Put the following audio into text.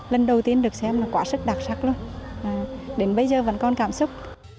lần đầu tiên được xem là quá sức đặc sắc luôn đến bây giờ vẫn còn cảm xúc